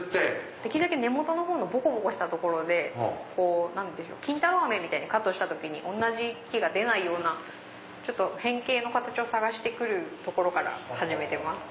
できるだけ根元のほうのボコボコしたところで金太郎飴みたいにカットした時に同じ木が出ないような変形を探して来るところから始めてます。